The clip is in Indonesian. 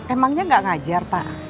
emangnya gak ngajar pak